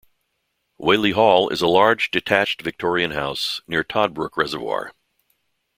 Whaley Hall is a large detached Victorian house near Toddbrook Reservoir.